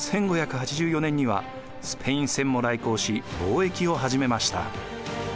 １５８４年にはスペイン船も来航し貿易を始めました。